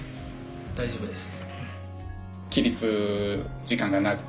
大丈夫です。